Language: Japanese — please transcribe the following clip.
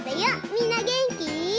みんなげんき？